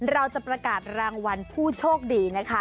เราจะประกาศรางวัลผู้โชคดีนะคะ